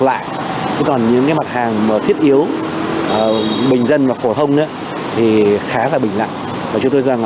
lại còn những mặt hàng thiết yếu bình dân và phổ thông thì khá là bình lặng và chúng tôi rằng